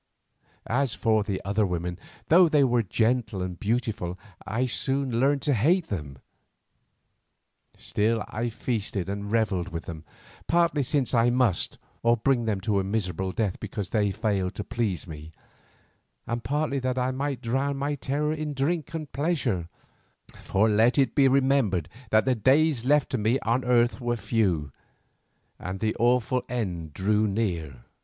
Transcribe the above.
As for the other women, though they were gentle and beautiful, I soon learned to hate them. Still I feasted and revelled with them, partly since I must, or bring them to a miserable death because they failed to please me, and partly that I might drown my terrors in drink and pleasure, for let it be remembered that the days left to me on earth were few, and the awful end drew near.